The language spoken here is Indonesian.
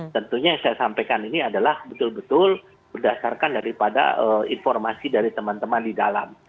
tentunya yang saya sampaikan ini adalah betul betul berdasarkan daripada informasi dari teman teman di dalam